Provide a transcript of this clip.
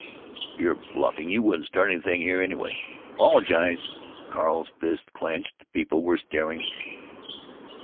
"You're bluffing. You wouldn't start anything here, anyway." "Apologize!" Carl's fist was clenched. People were staring.